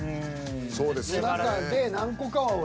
そうですよね。